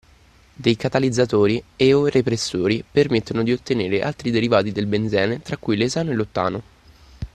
Dei catalizzatori e /o repressori permettono di ottenere altri derivati del benzene tra cui l'esano e l'ottano.